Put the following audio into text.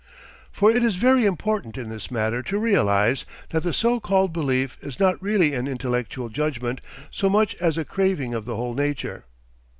For it is very important in this matter to realise that the so called belief is not really an intellectual judgment so much as a craving of the whole nature.